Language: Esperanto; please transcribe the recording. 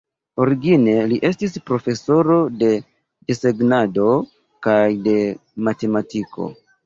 Origine li estis profesoro de desegnado kaj de matematiko.